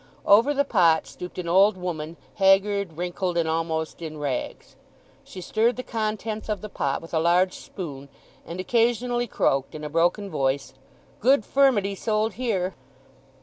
Over the pot stooped an old woman haggard, wrinkled, and almost in rags. She stirred the contents of the pot with a large spoon, and occasionally croaked in a broken voice, "Good furmity sold here!"